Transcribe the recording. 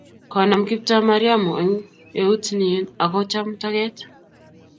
Konam Kiptoo Mariamu eng eut nyin ako cham toket